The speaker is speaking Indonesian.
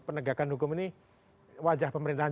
penegakan hukum ini wajah pemerintahan